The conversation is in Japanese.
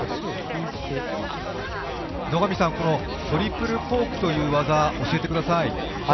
トリプルコークという技教えてください。